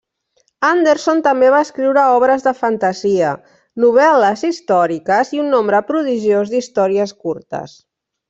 Anderson també va escriure obres de fantasia, novel·les històriques, i un nombre prodigiós d'històries curtes.